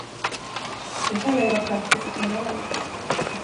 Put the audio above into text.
Det kallar jag praktisk moral.